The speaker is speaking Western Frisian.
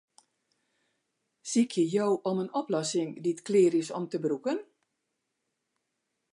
Sykje jo om in oplossing dy't klear is om te brûken?